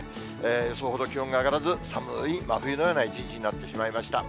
予想ほど気温が上がらず、寒い真冬のような一日になってしまいました。